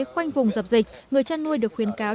quanh vùng dập dịch người tra nuôi được khuyến cáo